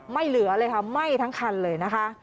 ไม่เหลือเลยค่ะไหม้ทั้งคันเลยนะคะ